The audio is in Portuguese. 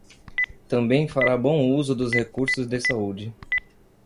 Também fará bom uso dos recursos de saúde.